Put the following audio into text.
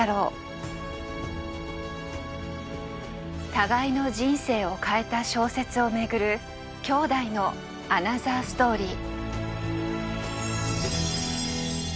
互いの人生を変えた小説を巡る兄弟のアナザーストーリー。